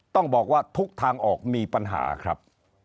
ต้องบอกว่าทุกทางออกมีปัญหาครับ